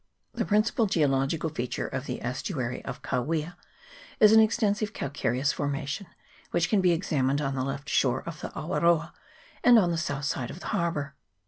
The principal geological feature of the estuary of Kawia is an extensive calcareous formation, which can be examined on the left shore of the Awaroa CHAP. XXII.] GEOLOGY OF KAWIA. 309 and on the south side of the harbour.